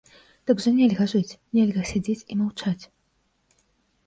Так жа нельга жыць, нельга сядзець і маўчаць.